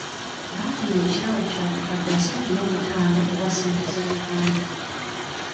Baafuna ekirabo kya bukadde asatu mu buttaano obwa ssente za Uganda.